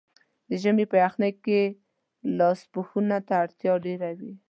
د ژمي په یخنۍ کې لاسپوښو ته اړتیا ډېره وي.